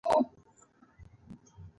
قواوي ځای پر ځای شوي دي.